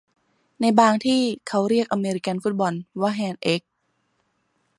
ในบางที่เขาเรียกอเมริกันฟุตบอลว่าแฮนด์เอ๊ก